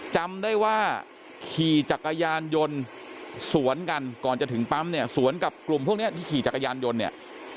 จำได้ว่าขี่จักรยานยนต์สวนกันก่อนจะถึงปั๊มเนี่ยสวนกับกลุ่มพวกนี้ที่ขี่จักรยานยนต์เนี่ย